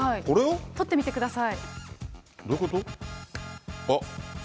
取ってみてください。